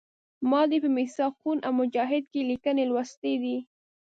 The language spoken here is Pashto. ما دې په میثاق خون او مجاهد کې لیکنې لوستي دي.